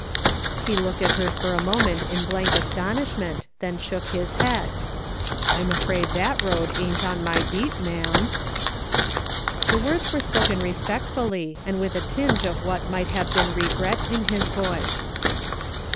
He looked at her for a moment in blank astonish ment, then shook his head :" I'm afraid that road ain't on my beat, ma'am." The words were spoken respectfully, and with a tinge of what might have been regret in his voice.